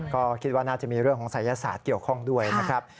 ก็คิดว่าน่าจะมีเรื่องของศัยศาสตร์เกี่ยวข้องด้วยนะครับ